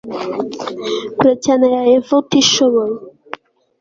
kure cyane ya eva utishoboye